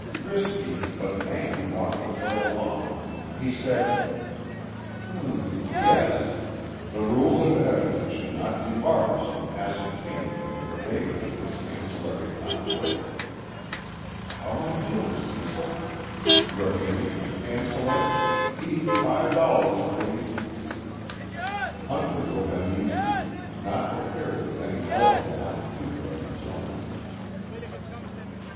Risky, but Mann wanted to play along. He said: "Mm, yes. The rules of evidence should not debar us from ascertaining the gravamen of this ancillary conflict." How'm I doing, Cecil? Gravamen, ancillary, each five dollars, please. Hunter looked uneasy, not prepared with any elephantine humor of his own.